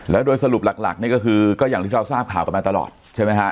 แล้วโดยสรุปหลักนี่ก็คือก็อย่างที่เราทราบข่าวกันมาตลอดใช่ไหมฮะ